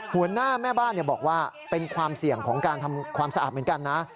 หัวหน้าแม่บ้านบอกว่าเป็นความเสี่ยงของการทำความสะอาดเหมือนกันนะ